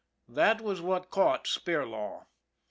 That was what caught Spirlaw.